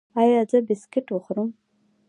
ایا زه بسکټ وخورم؟